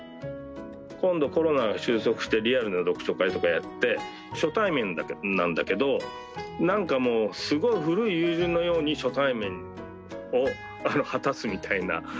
今度コロナが収束してリアルな読書会とかやって初対面なんだけどなんかもうすごい古い友人のように初対面を果たすみたいな。